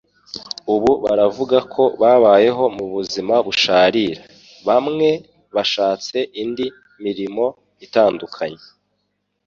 Ubu baravuga ko babayeho mu buzima busharira. Bamwe bashatse indi mirimo itandukanye